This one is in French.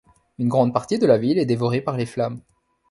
Une grande partie de la ville est dévorée par les flammes.